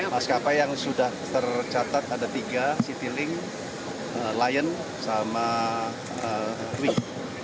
maskapai yang sudah tercatat ada tiga citylink lion sama wing